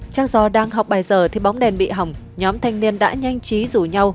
chắc do đang học bài giờ thì bóng đèn bị hỏng nhóm thanh niên đã nhanh chí rủ nhau